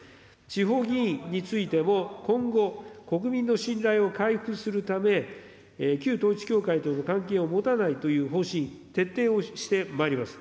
地方議員についても今後、国民の信頼を回復するため、旧統一教会との関係を持たないという方針、徹底をしてまいります。